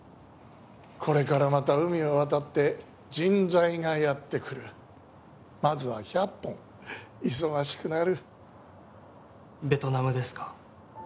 これからまた海を渡って人材がやってくるまずは１００本忙しくなるベトナムですか？